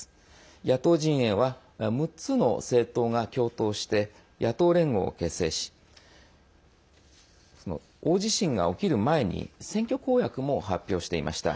野党陣営は６つの政党が共闘して野党連合を結成し大地震が起きる前に選挙公約も発表していました。